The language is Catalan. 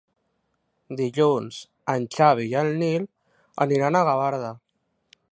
Dilluns en Xavi i en Nil aniran a Gavarda.